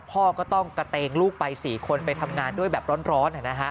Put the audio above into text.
พ่อก็ต้องกระเตงลูกไป๔คนไปทำงานด้วยแบบร้อน